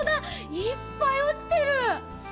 いっぱいおちてる！